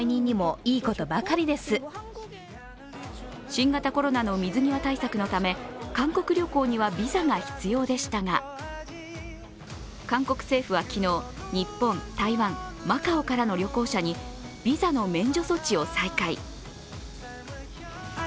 新型コロナの水際対策のため韓国旅行にはビザが必要でしたが韓国政府は昨日、日本、台湾、マカオからの旅行者にビザの免除措置を再開。